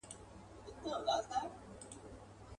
هغه مي خړ وطن سمسور غوښتی.